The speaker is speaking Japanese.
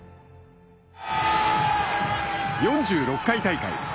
４６回大会。